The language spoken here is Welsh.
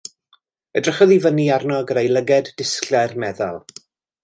Edrychodd i fyny arno gyda'i lygad disglair meddal.